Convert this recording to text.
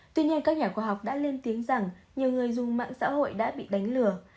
tuy nhiên các nhà khoa học đã lên tiếng rằng nhiều người dùng mạng xã hội đã bị đánh lừa